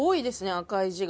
赤い字が。